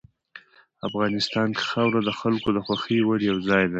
افغانستان کې خاوره د خلکو د خوښې وړ یو ځای دی.